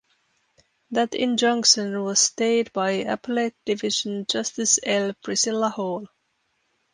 That injunction was stayed by Appellate Division Justice L. Priscilla Hall.